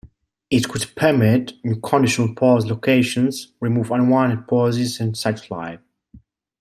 It could permit new conditional "pause" locations, remove unwanted pauses and suchlike.